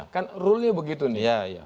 kan rule nya begitu nih